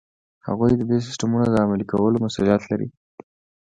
هغوی ددې سیسټمونو د عملي کولو مسؤلیت لري.